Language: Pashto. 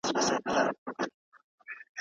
د حساب ورکولو پروسه څنګه ده؟